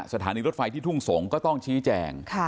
สถานีรถไฟที่ทุ่งสงศ์ก็ต้องชี้แจง